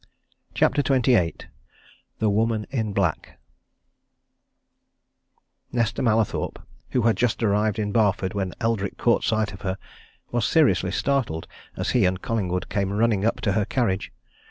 CHAPTER XXVIII THE WOMAN IN BLACK Nesta Mallathorpe, who had just arrived in Barford when Eldrick caught sight of her, was seriously startled as he and Collingwood came running up to her carriage.